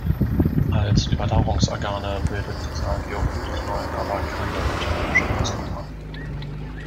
Als Überdauerungsorgane bildet dieser Geophyt Knollen, aber keine unterirdischen Ausläufern.